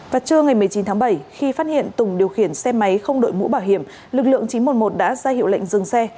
và trưa ngày một mươi chín tháng bảy khi phát hiện tùng điều khiển xe máy không đội mũ bảo hiểm lực lượng chín trăm một mươi một đã ra hiệu lệnh dừng xe